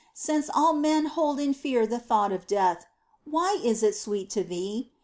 Since all men hold in fear the thought of death. Why is it sweet to thee ?